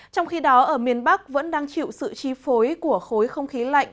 trong khi đó ở miền bắc vẫn đang chịu sự chi phối của khối không khí lạnh